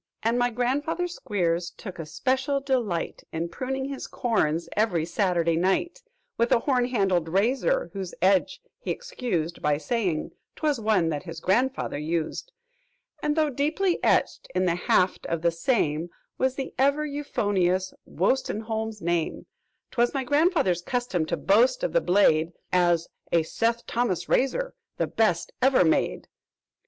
"And my grandfather Squeers took a special delight In pruning his corns every Saturday night "With a horn handled razor, whose edge he excused By saying 'twas one that his grandfather used; "And, though deeply etched in the haft of the same Was the ever euphonious Wostenholm's name, "'Twas my grandfather's custom to boast of the blade As 'A Seth Thomas razor the best ever made!'